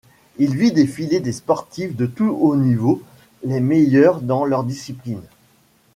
Il vit défiler des sportifs de tout haut niveau, les meilleurs dans leur discipline.